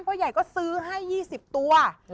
พอใหญ่ก็ซื้อให้ยี่สิบตัว